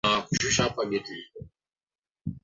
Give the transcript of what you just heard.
hata kama mtu ni mtu duni lakini ana ana